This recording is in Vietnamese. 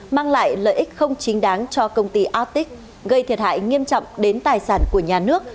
mang lại lợi ích không chính đáng cho công ty aotic gây thiệt hại nghiêm trọng đến tài sản của nhà nước